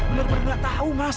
bener bener gak tau mas